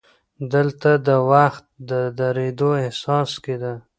دلته د وخت د درېدو احساس کېده.